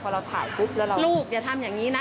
พอเราถ่ายปุ๊บแล้วเราบอกลูกอย่าทำอย่างนี้นะ